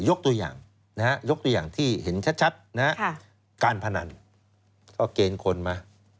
ยกตัวอย่างที่เห็นชัดการพนันก็เกณฑ์คนมา